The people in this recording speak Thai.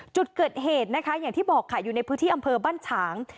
จุดเกิดเหตุนะคะอย่างที่บอกค่ะอยู่ในพื้นที่อำเภอบ้านฉาง